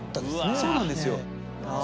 そうなんですよ。